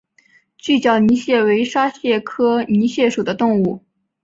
锯脚泥蟹为沙蟹科泥蟹属的动物。